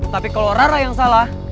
tapi kalau rara yang salah